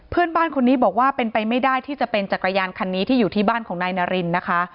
เพื่อนบ้านคนนี้บอกว่าเป็นไปไม่ได้ที่จะเป็นจักรยานคันนี้ที่อยู่ที่บ้านของนายนารินนะคะ